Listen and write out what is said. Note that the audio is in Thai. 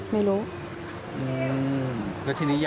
ไม่รู้